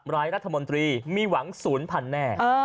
รัฐมนตรีมีหวังศูนย์พันแน่